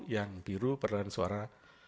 satu yang biru peradaan suara